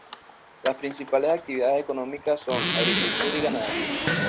Las principales actividades económicas son: agricultura y ganadería.